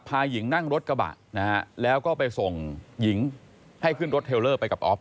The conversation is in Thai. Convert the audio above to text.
พาหญิงนั่งรถกระบะนะฮะแล้วก็ไปส่งหญิงให้ขึ้นรถเทลเลอร์ไปกับออฟ